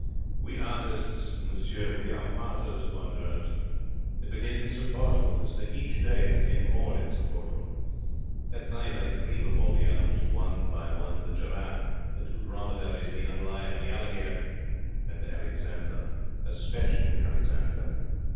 We artists, monsieur, we are martyrs to our nerves. It became insupportable, this thing. Each day it became more insupportable. At night I dream of all the animals, one by one the giraffe, the two dromedaries, the young lion, the alligator, and Alexander. Especially Alexander.